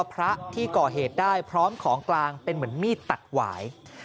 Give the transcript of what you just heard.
พระที่ก่อเหตุได้พร้อมของกลางเป็นเหมือนมีดตัดหวาย